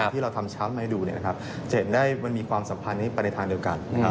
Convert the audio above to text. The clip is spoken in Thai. ที่เราทำช้ำใหม่ดูจะเห็นได้มันมีความสัมพันธ์ในทางเดียวกัน